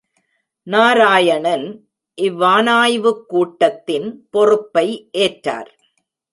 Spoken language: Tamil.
நாராயணன் இவ்வானாய்வுக் கூடத்தின் பொறுப்பை ஏற்றார்.